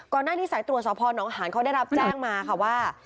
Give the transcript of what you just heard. ก่อนหน้านี้สายตรวจสภหนองหารเขาได้รับแจ้งมาค่ะว่า